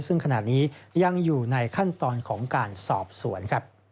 ซึ่งขณะนี้ยังอยู่ในขั้นตอนของการสอบสวนครับ